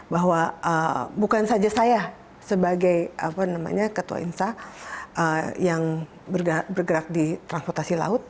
bahwa bukan saja saya sebagai ketua insa yang bergerak di transportasi laut